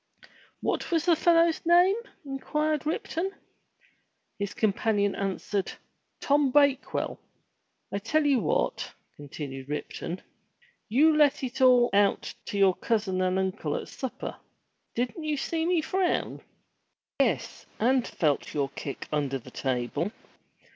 "What was the fellow's name?" inquired Ripton. His companion answered, *'Tom Bakewell." "I tell you what," continued Ripton, "you let it all out to your cousin and uncle at supper. Didn't you see me frown?" "Yes, and felt your kick under the table.